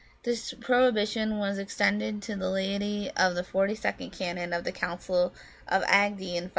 This prohibition was extended to the laity by the forty second canon of the Council of Agde, in 506.